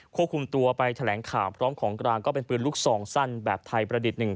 ควบคุมตัวไปแถลงข่าวพร้อมของกลางก็เป็นปืนลูกซองสั้นแบบไทยประดิษฐ์หนึ่ง